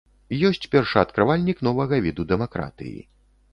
Ёсць першаадкрывальнік новага віду дэмакратыі.